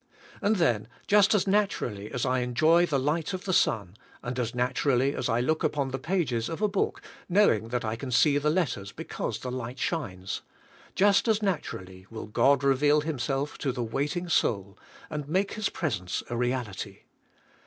And then, just as nat urally as I enjoy the light of the sun, and as naturally as I look upon the pages of a book knowing that I can see the letters because the light shines; just as naturally will God reveal Himself to the waiting soul, and make His pres ence a reality.